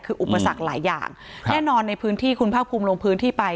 คืออุปสรรคหลายอย่างแน่นอนในพื้นที่คุณภาคภูมิลงพื้นที่ไป